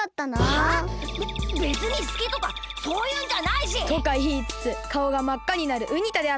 べべつにすきとかそういうんじゃないし！とかいいつつかおがまっかになるウニ太であった。